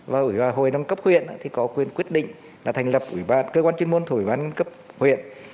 và hội đồng cấp huyện thì có quyền quyết định là thành lập cơ quan chuyên môn thuộc ủy ban nhân cấp huyện